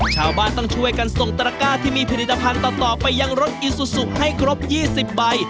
ชาวบ้านต้องช่วยกันส่งตะกร้าที่มีผลิตภัณฑ์ต่อต่อไปยังรถอิสุสุให้ครบยี่สิบใบ